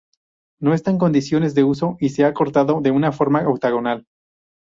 No está en condiciones de uso y se ha cortado de una forma octogonal.